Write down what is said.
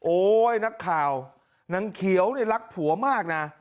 โอ๊ยนักข่าวนางเขียวนี่รักผัวมากนะ